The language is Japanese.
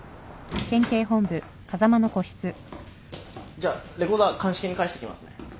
じゃあレコーダー鑑識に返してきますね。